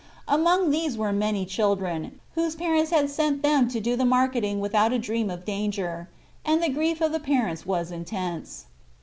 Among these were many children, whose parents had sent them to do the marketing without a dream of danger, and the grief of the parents was intense.